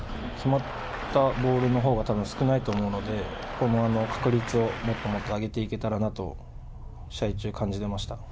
割合的には決まったボールのほうが少ないと思うので確率をもっと上げていけたらなと試合中感じていました。